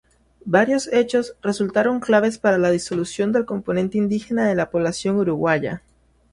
Varios hechos resultaron claves para la disolución del componente indígena de la población uruguaya.